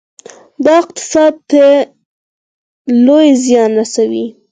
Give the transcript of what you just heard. دا اقتصاد ته لوی زیان رسوي.